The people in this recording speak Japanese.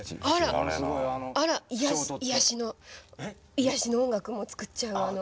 癒やしの音楽も作っちゃうあの。